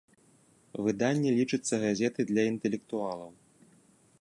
Выданне лічыцца газетай для інтэлектуалаў.